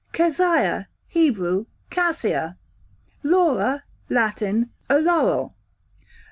Keziah, Hebrew, cassia. Laura, Latin, a laurel.